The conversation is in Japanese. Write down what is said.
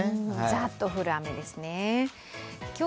ザッと降る雨ですね。